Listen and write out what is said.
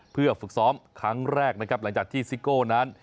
เพื่อฝึกซ้อมครั้งแรกนะครับหลังจากที่ซิโก้นั้น